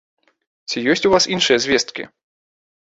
Ці ёсць у вас іншыя звесткі?